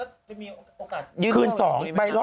ได้มีโอกาสยืดเลือดในนี้มั้ยครับ